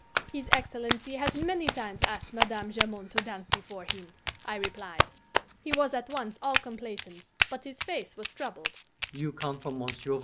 'His Excellency has many times asked Madame Jamond to dance before him,' I replied. He was at once all complaisance, but his face was troubled.